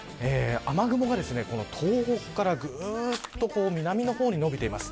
雨雲が東北からぐっと南の方にのびています。